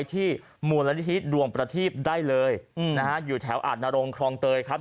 ที่มูลนิธิดวงประทีบได้เลยนะฮะอยู่แถวอาจนรงครองเตยครับ